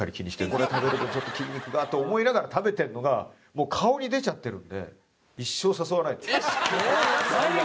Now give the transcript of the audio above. これ食べるとちょっと筋肉がって思いながら食べてるのがもう顔に出ちゃってるので最悪。